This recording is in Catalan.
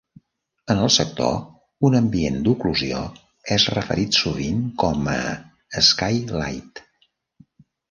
En el sector, un ambient d'oclusió és referit sovint com a "sky light".